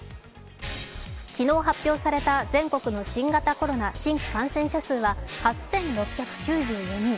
昨日発表された全国の新型コロナ新規感染者数は８６９４人。